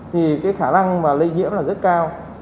thì cái khả năng mà lấy nhiễm qua không khí là không thông thoáng